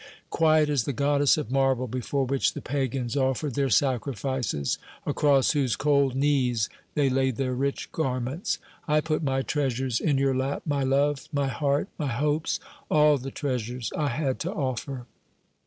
Quiet as the goddess of marble before which the pagans offered their sacrifices, across whose cold knees they laid their rich garments. I put my treasures in your lap, my love; my heart, my hopes, all the treasures I had to offer."